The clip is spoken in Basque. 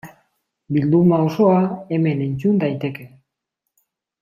Bilduma osoa hemen entzun daiteke.